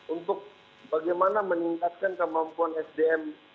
untuk bagaimana meningkatkan kemampuan sdm